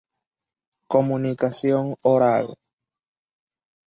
Comunicación oral.